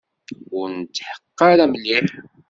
Ur netḥeqqeq ara mliḥ.